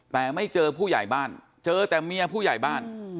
แต่ไม่เจอผู้ใหญ่บ้านเจอแต่เมียผู้ใหญ่บ้าน